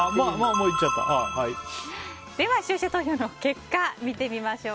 では視聴者投票の結果見てみましょう。